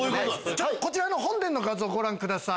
こちらの本殿の画像ご覧ください。